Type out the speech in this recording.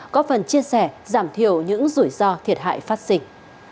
có phần chia sẻ giảm thiểu những rủi ro thiệt hại phát sinh